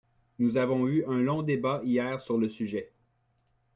Nous avons eu un long débat hier sur le sujet.